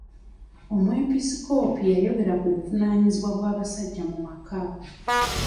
Omwepisikoopi yayogera ku buvunaanyizibwa bw'abasajja mu maka.